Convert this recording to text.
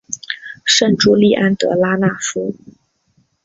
圣朱利安德拉讷夫。